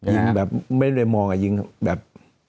ยิงแบบไม่ได้มองยิงแบบ